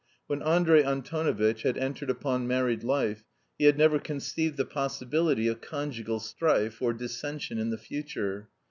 When Andrey Antonovitch had entered upon married life, he had never conceived the possibility of conjugal strife, or dissension in the future.